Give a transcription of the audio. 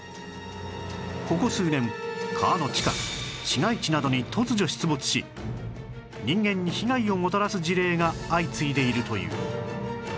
ここ数年川の近く市街地などに突如出没し人間に被害をもたらす事例が相次いでいるという